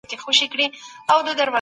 بايد د تيوري او عمل ترمنځ اړيکه جوړه سي.